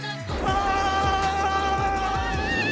ああ！